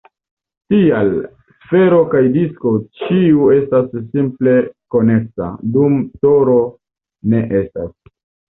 Tial, sfero kaj disko, ĉiu estas simple koneksa, dum toro ne estas.